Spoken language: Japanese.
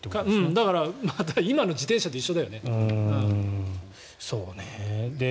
だから今の自転車と一緒だよね。